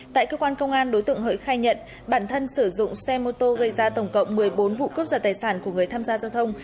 tại cơ quan công an đối tượng hợi khai nhận bản thân sử dụng xe mô tô gây ra tổng cộng một mươi bốn vụ cướp giật tài sản của người tham gia giao thông